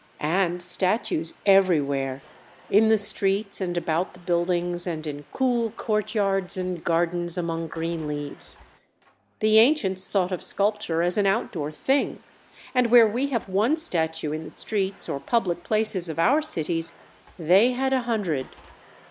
And statues everywhere, in the streets and about the buildings and in cool courtyards and gardens among green leaves. The ancients thought of sculpture as an outdoor thing, and where we have one statue in the streets or public places of our cities, they had a hundred.